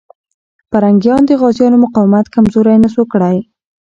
پرنګیان د غازيانو مقاومت کمزوری نسو کړای.